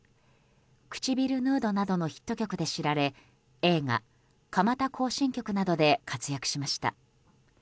「くちびるヌード」などのヒット曲で知られ映画「蒲田行進曲」などで活躍しました。